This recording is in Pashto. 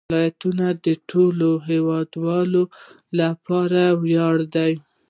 ولایتونه د ټولو هیوادوالو لپاره لوی ویاړ دی.